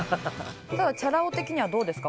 ただチャラ男的にはどうですか？